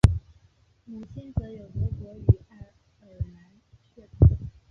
母亲则有德国与爱尔兰血统